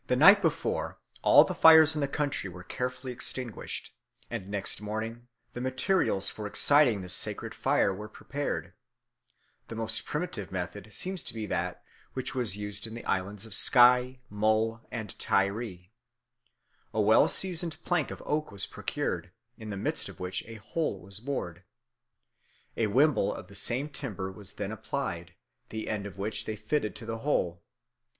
"The night before, all the fires in the country were carefully extinguished, and next morning the materials for exciting this sacred fire were prepared. The most primitive method seems to be that which was used in the islands of Skye, Mull, and Tiree. A well seasoned plank of oak was procured, in the midst of which a hole was bored. A wimble of the same timber was then applied, the end of which they fitted to the hole.